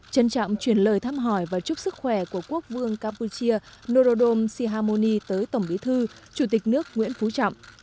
trân trọng chuyển lời thăm hỏi và chúc sức khỏe của quốc vương campuchia norodom sihamoni tới tổng bí thư chủ tịch nước nguyễn phú trọng